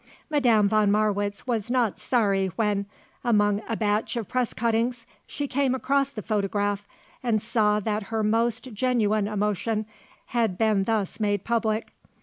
Madame von Marwitz was not sorry when, among a batch of press cuttings, she came across the photograph and saw that her most genuine emotion had been thus made public.